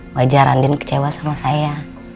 wajar andin kecewa sama saya